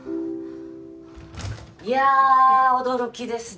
いや驚きですね。